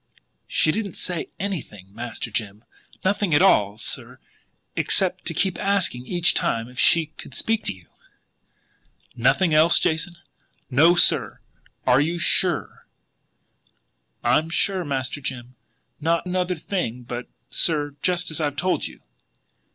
"She didn't say anything, Master Jim. Nothing at all, sir except to keep asking each time if she could speak to you." "Nothing else, Jason?" "No, sir." "You are SURE?" "I'm sure, Master Jim. Not another thing but that, sir, just as I've told you."